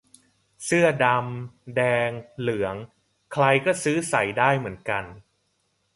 เสื้อดำ แดง เหลือง ใครก็ซื้อใส่ได้เหมือนกัน